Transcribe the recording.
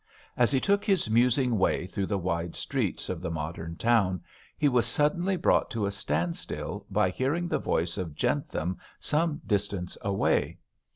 As he took his musing way through the wide streets of the modern town, he was suddenly brought to a standstill by hearing the voice of Jentham some distance away.